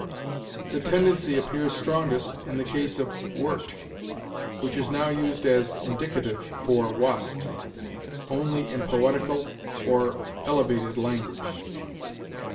The tendency appears strongest in the case of 'wert,' which is now used as indicative (for 'wast') only in poetical or elevated language.